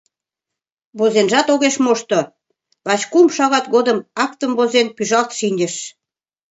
Возенжат огеш мошто; лач кум шагат годым актым возен, пӱжалт шинчыш.